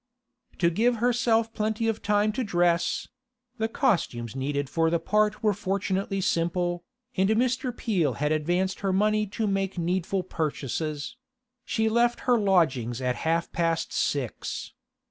To give herself plenty of time to dress (the costumes needed for the part were fortunately simple, and Mr. Peel had advanced her money to make needful purchases) she left her lodgings at half past six.